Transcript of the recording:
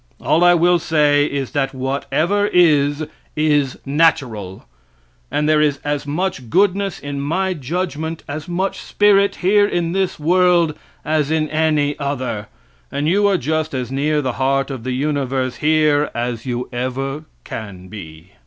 All I will say is that whatever is, is natural, and there is as much goodness in my judgment, as much spirit here in this world as in any other, and you are just as near the heart of the universe here as you ever can be.